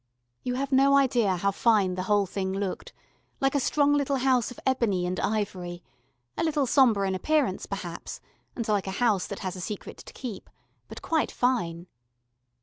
You have no idea how fine the whole thing looked like a strong little house of ebony and ivory a little sombre in appearance perhaps, and like a house that has a secret to keep, but quite fine.